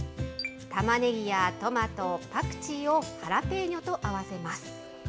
玉ねぎやトマト、パクチーをハラペーニョと合わせます。